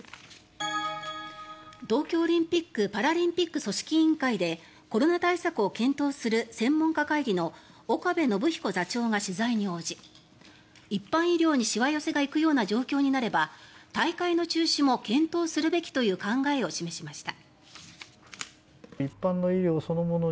東京オリンピック・パラリンピック組織委員会でコロナ対策を検討する専門家会議の岡部信彦座長が取材に応じ一般医療にしわ寄せが行くような状況になれば大会の中止も検討するべきとの考えを示しました。